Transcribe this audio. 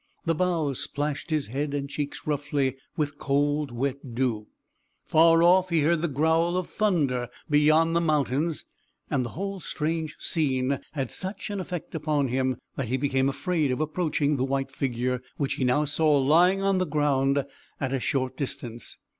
The boughs splashed his head and cheeks roughly with cold wet dew; far off, he heard the growl of thunder beyond the mountains, and the whole strange scene had such an effect upon him, that he became afraid of approaching the white figure, which he now saw lying on the ground at a short distance.